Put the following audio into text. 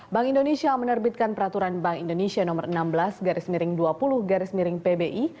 bank indonesia menerbitkan peraturan bank indonesia nomor enam belas garis miring dua puluh garis miring pbi